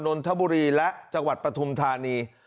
นนทบุรีและจังหวัดปฐุมธานี